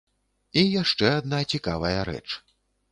І яшчэ адна цікавая рэч.